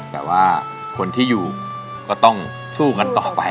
แต่ว่าคนที่อยู่ก็ต้องสู้กันต่อไป